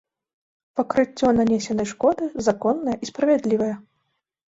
Пакрыццё нанесенай шкоды законнае і справядлівае.